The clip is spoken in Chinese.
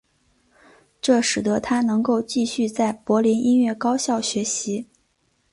这使得他能继续在柏林音乐高校学习。